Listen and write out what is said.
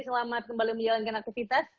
selamat kembali menjalankan aktivitas